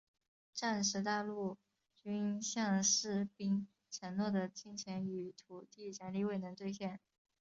战时大陆军向士兵承诺的金钱与土地奖励未能兑现。